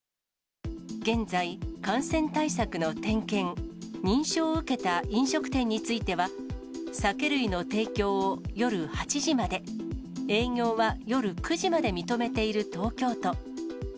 現在、感染対策の点検、認証を受けた飲食店については、酒類の提供を夜８時まで、営業は夜９時まで認めている東京都。